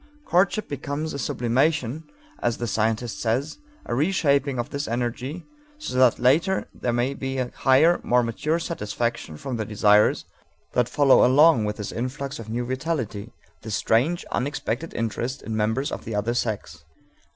Courtship becomes a sublimation, as the scientist says, a reshaping of this energy so that later there may be a higher, more mature satisfaction of the desires that follow along with this influx of new vitality, this strange, unexpected interest in members of the other sex.